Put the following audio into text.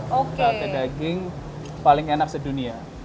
oh sate daging paling enak sedunia